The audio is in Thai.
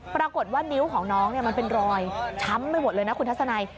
ปรากฏว่านิ้วของน้องมันเป็นรอยช้ำไปหมดเลยนะคุณทัศนัย